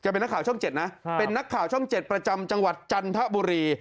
เป็นนักข่าวช่อง๗นะเป็นนักข่าวช่อง๗ประจำจังหวัดจันทบุรี